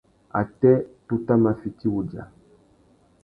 Atê, tu tà mà fiti wudja.